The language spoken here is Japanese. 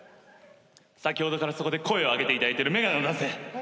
先ほどからそこで声を上げていただいてる眼鏡の男性。